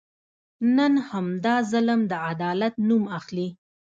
نن همدا ظلم د عدالت نوم اخلي.